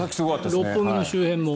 六本木の周辺も。